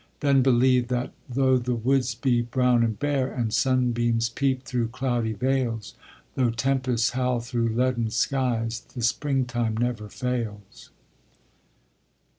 Then believe That though the woods be brown and bare, And sunbeams peep through cloudy veils, Though tempests howl through leaden skies, The springtime never fails!